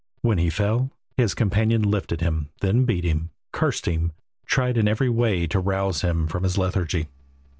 When he fell his companion lifted him, then beat him, cursed him, tried in every way to rouse him from his lethargy.